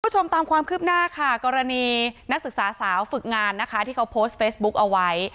ตามความคืบหน้าค่ะกรณีนักศึกษาสาวฝึกงานนะคะที่เขาโพสต์เฟซบุ๊กเอาไว้